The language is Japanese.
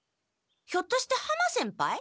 ひょっとして浜先輩？